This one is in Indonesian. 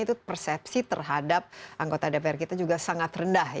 itu persepsi terhadap anggota dpr kita juga sangat rendah